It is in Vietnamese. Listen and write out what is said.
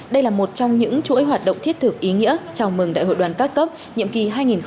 đây là một trong những chuỗi hoạt động thiết thực ý nghĩa chào mừng đại hội đoàn các cấp nhiệm kỳ hai nghìn hai mươi hai nghìn hai mươi năm